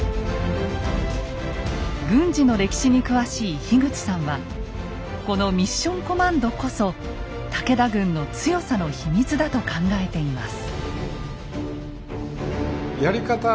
軍事の歴史に詳しい口さんはこのミッション・コマンドこそ武田軍の強さの秘密だと考えています。